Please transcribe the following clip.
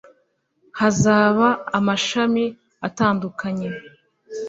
Hazaba amashami atandukanye